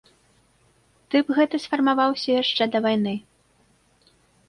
Тып гэты сфармаваўся яшчэ да вайны.